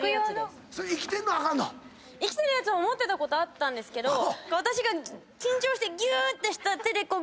生きてるやつも持ってたことあったんですけど私が緊張してぎゅーって。